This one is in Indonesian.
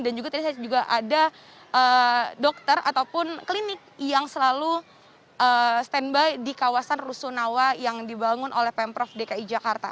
dan juga tadi saya juga ada dokter ataupun klinik yang selalu stand by di kawasan rusun awas yang dibangun oleh pemprov dki jakarta